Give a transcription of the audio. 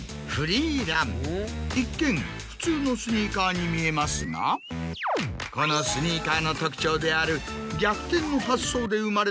一見普通のスニーカーに見えますがこのスニーカーの特徴である。